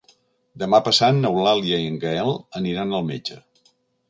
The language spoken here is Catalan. Demà passat n'Eulàlia i en Gaël aniran al metge.